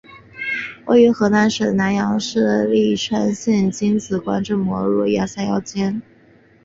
位于河南省南阳市淅川县荆紫关镇磨沟村的伏牛山余脉乍客山山腰间。